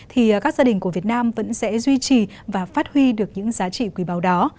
thì các gia đình của việt nam vẫn sẽ duy trì và phát huy được những giá trị quý báu đó